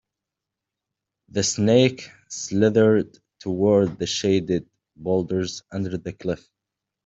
The snake slithered toward the shaded boulders under the cliff.